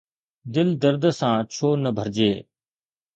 دل درد سان ڇو نه ڀرجي؟